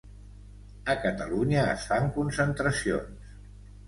A Catalunya es fan concentracions